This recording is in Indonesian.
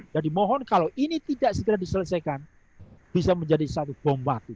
jadi mohon kalau ini tidak segera diselesaikan bisa menjadi satu bom batu